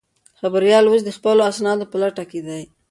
خبریال اوس د خپلو اسنادو په لټه کې دی.